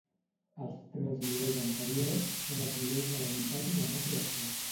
Els tres nivells anteriors són els nivells de la unitat i la no creació.